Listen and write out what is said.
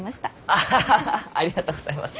アハハハありがとうございます。